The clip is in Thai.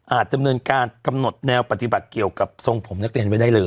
จำเนินการกำหนดแนวปฏิบัติเกี่ยวกับทรงผมนักเรียนไว้ได้เลย